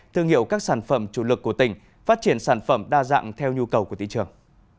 thương hiệu các sản phẩm chủ lực của tỉnh phát triển sản phẩm đa dạng theo nhu cầu của thị trường